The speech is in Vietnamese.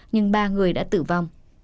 nhưng ba người đã tử vong